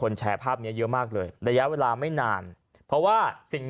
ระยะเวลาไม่นาน